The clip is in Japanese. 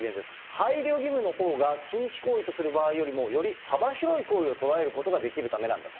配慮義務のほうが、禁止行為とする場合よりも、より幅広い行為を捉えることができるためなんだと。